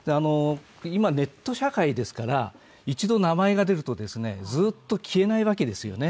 今、ネット社会ですから、一度名前が出ると、ずっと消えないわけですよね。